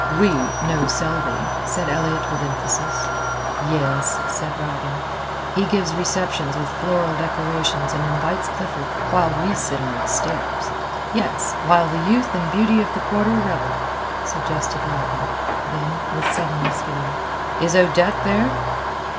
"We know Selby," said Elliott with emphasis. "Yes," said Rowden, "he gives receptions with floral decorations and invites Clifford, while we sit on the stairs." "Yes, while the youth and beauty of the Quarter revel," suggested Rowden; then, with sudden misgiving; "Is Odette there?"